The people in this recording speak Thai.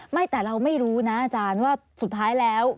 ไม่แต่เราไม่รู้นะอาจารย์ว่าสุดท้ายแล้ว